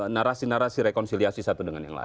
narasi narasi rekonsiliasi satu dengan yang lain